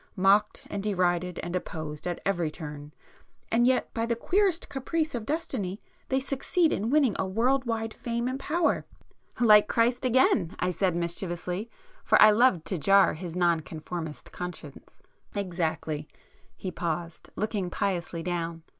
Mocked and derided and opposed at every turn,—and yet by the queerest caprice of destiny, they succeed in winning a world wide fame and power——" [p 100]"Like Christ again!" I said mischievously, for I loved to jar his non conformist conscience. "Exactly!" He paused, looking piously down.